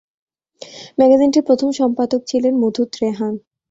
ম্যাগাজিনটির প্রথম সম্পাদক ছিলেন মধু ত্রেহান।